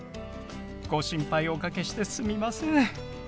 ご心配おかけしてすみません。